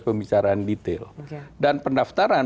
pembicaraan detail dan pendaftaran